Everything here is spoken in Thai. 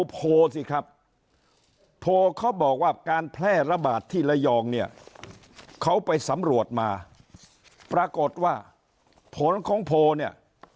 โพลสิครับโพลเขาบอกว่าการแพร่ระบาดที่ระยองเนี่ยเขาไปสำรวจมาปรากฏว่าผลของโพลเนี่ย